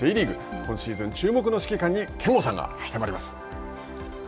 今シーズン注目の指揮官に憲剛さんが迫ります。